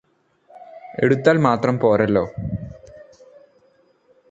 എടുത്താല് മാത്രം പോരല്ലോ